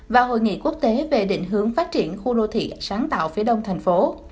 và hội nghị quốc tế về định hướng phát triển khu đô thị sáng tạo phía đông thành phố